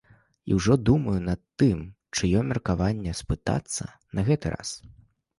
І ўжо думаю над тым, чыё меркаванне спытацца на гэты раз.